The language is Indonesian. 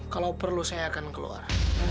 kalau perlu saya akan keluar